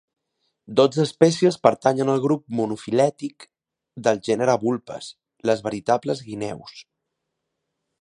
Dotze espècies pertanyen al grup monofilètic del gènere "Vulpes", les "veritables guineus".